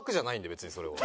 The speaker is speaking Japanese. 別にそれは。